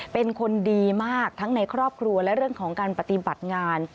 เป็นคนดีมากทั้งในครอบครัวและเรื่องของการปฏิบัติงาน